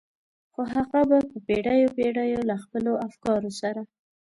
خو هغه به په پېړيو پېړيو له خپلو افکارو سره.